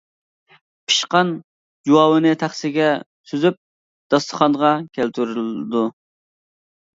پىشقان جۇۋاۋىنى تەخسىگە سۈزۈپ، داستىخانغا كەلتۈرۈلىدۇ.